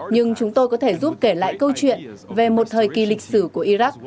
nhưng chúng tôi có thể giúp kể lại câu chuyện về một thời kỳ lịch sử của iraq